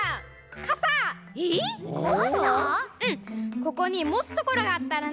ここにもつところがあったらね。